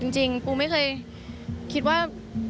จริงปูไม่เคยคิดว่า